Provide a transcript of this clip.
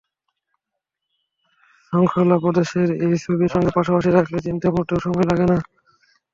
শংখলা প্রদেশের সেই ছবির সঙ্গে পাশাপাশি রাখলে চিনতে মোটেও সময় লাগে না।